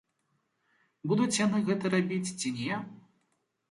Будуць яны гэта рабіць, ці не?